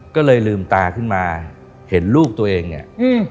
ก็เลยลืมตาขึ้นมาเห็นลูกตัวเองเนี่ยอืม